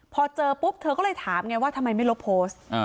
พอเจอปุ๊บเธอก็เลยถามไงว่าทำไมไม่ลบโพสต์